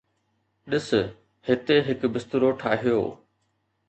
ڏس، هتي هڪ بسترو ٺاهيو